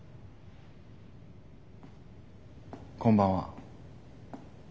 こんばんは。